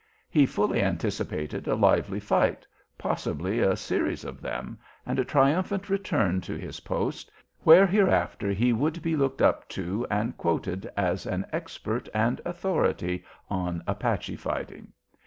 He fully anticipated a lively fight, possibly a series of them, and a triumphant return to his post, where hereafter he would be looked up to and quoted as an expert and authority on Apache fighting.